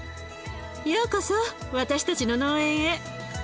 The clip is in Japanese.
ようこそ私たちの農園へ。